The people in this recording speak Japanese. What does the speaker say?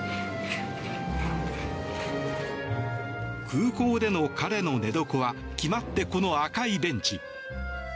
空港での彼の寝床は決まって、この赤いベンチ。